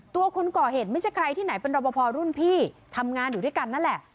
คนก่อเหตุไม่ใช่ใครที่ไหนเป็นรอปภรุ่นพี่ทำงานอยู่ด้วยกันนั่นแหละ